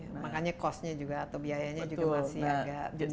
makanya cost nya juga atau biayanya juga masih agak besar